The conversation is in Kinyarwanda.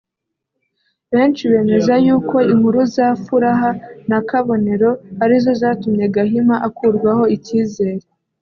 Benshi bemeza yuko inkuru za Furaha na Kabonero arizo zatumye Gahima akurwaho icyizere